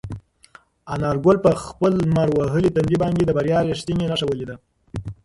انارګل په خپل لمر وهلي تندي باندې د بریا رښتینې نښه ولیده.